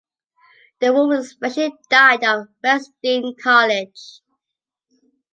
The wool was specially dyed at West Dean College.